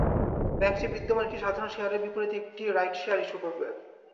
ব্যাংকটি বিদ্যমান একটি সাধারণ শেয়ারের বিপরীতে একটি রাইট শেয়ার ইস্যু করবে।